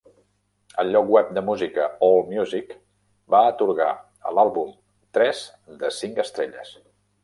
El lloc web de música AllMusic va atorgar a l'àlbum tres de cinc estrelles.